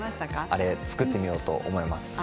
あれを作ってみようと思います。